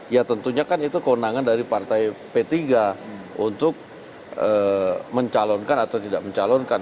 ya tentunya kan itu kewenangan dari partai p tiga untuk mencalonkan atau tidak mencalonkan